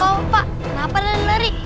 oh pak kenapa dan lari